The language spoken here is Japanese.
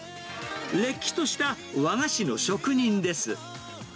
れっきとした和菓子の職人です。